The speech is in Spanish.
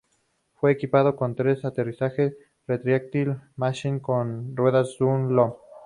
Fue equipado con un tren de aterrizaje retráctil Messier con ruedas Dunlop.